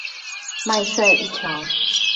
麥帥一橋